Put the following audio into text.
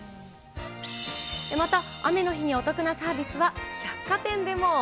また、雨の日にお得なサービスは、百貨店でも。